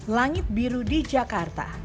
langit biru di jakarta